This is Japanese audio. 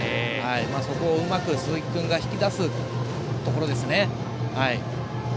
そこをうまく鈴木君が引き出すところですね。